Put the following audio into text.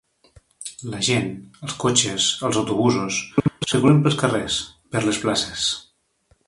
La gent, els cotxes, els autobusos, circulen pels carrers, per les places.